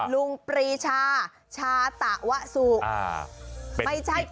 ลุงปรีชาชาตาวสุอายุ